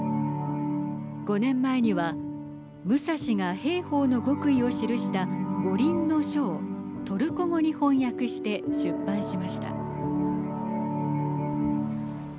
５年前には武蔵が兵法の極意を記した五輪書をトルコ語に翻訳して出版しました。